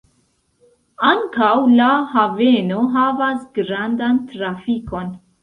Ankaŭ la haveno havas grandan trafikon.